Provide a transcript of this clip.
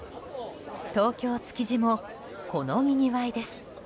東京・築地もこのにぎわいです。